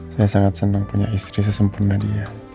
saya sangat senang punya istri sesempurna dia